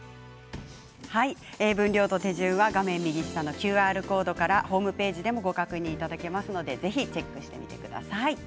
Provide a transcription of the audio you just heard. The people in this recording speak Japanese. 分量と手順は画面右下のＱＲコードからホームページでもご確認いただけますのでぜひチェックしてみてください。